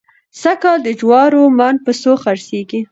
سږکال د جوارو من په څو خرڅېږي؟